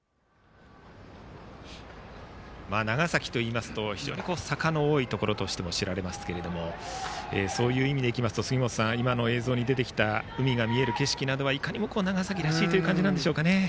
長崎といいますと非常に坂の多いところとしても知られますけどもそういう意味でいきますと今の映像に出てきた海が見える景色などは、いかにも長崎らしいという感じですね。